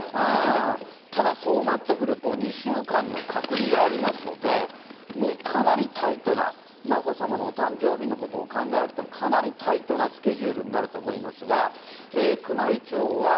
ただ、そうなってくると、２週間の隔離がありますので、もうかなりタイトな、眞子さまのお誕生日のことを考えると、かなりタイトなスケジュールになると思いますが、宮内庁は。